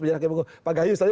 pak gaius tadi